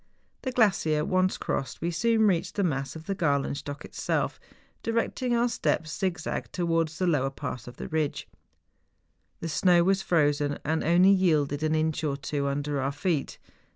The gla¬ cier once crossed, we soon reached the mass of the Galenstock itself, directing our steps zigzag to¬ wards the lower part of the ridge. The snow was frozen, and only yielded an inch or two under our feet.